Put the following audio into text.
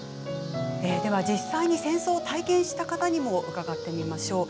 では実際に戦争を体験した方にも伺ってみましょう。